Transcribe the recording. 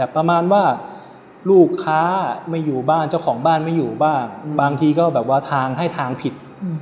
ประมาณว่าลูกค้าไม่อยู่บ้านเจ้าของบ้านไม่อยู่บ้างบางทีก็แบบว่าทางให้ทางผิด